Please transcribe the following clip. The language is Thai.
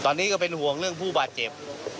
ตอนนี้ก็เป็นห่วงเรื่องผู้บาดเจ็บ